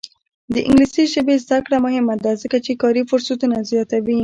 د انګلیسي ژبې زده کړه مهمه ده ځکه چې کاري فرصتونه زیاتوي.